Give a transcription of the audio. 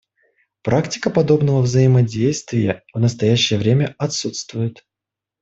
Практика подобного взаимодействия в настоящее время отсутствует.